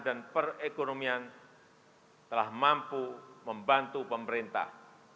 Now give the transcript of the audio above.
dan perekonomian telah mampu membantu pemerintah